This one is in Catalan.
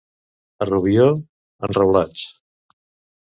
A Rubió, enreulats.